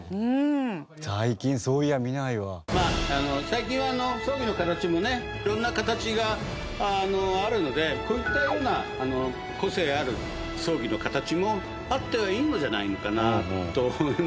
最近は葬儀の形もね色んな形があるのでこういったような個性ある葬儀の形もあってもいいんじゃないのかなと。